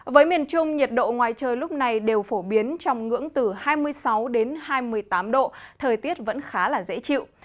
với miền trung nhiệt độ ngoài trời lúc này đều phổ biến trong ngưỡng từ hai mươi sáu đến hai mươi tám độ thời tiết vẫn khá dễ chịu